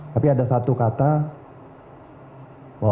tapi ada satu kata